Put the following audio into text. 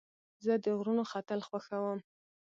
زه د غرونو ختل خوښوم.